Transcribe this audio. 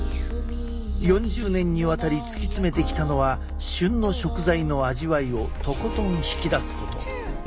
４０年にわたり突き詰めてきたのは旬の食材の味わいをとことん引き出すこと。